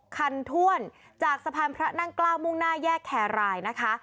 คันถ้วนจากสะพานพระนั่งเกล้ามุ่งหน้าแยกแครรายนะคะ